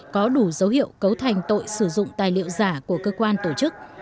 có đủ dấu hiệu cấu thành tội sử dụng tài liệu giả của cơ quan tổ chức